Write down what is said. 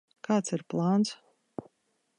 Kāds ir plāns?